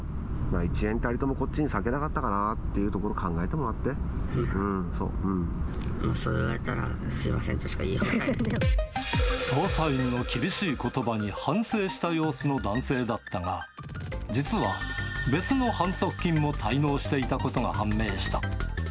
１円たりともこっちに割けなかったのかなというところを考えてもうん、そう言われたらすみま捜査員の厳しいことばに反省した様子の男性だったが、実は別の反則金も滞納していたことが判明した。